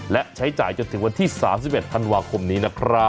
และใช้จ่ายจนถึงวันที่๓๑ธันวาคมนี้นะครับ